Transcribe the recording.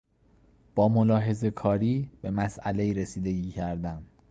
با ملاحظهکاری به مسئلهای رسیدگی کردن